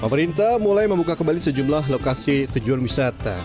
pemerintah mulai membuka kembali sejumlah lokasi tujuan wisata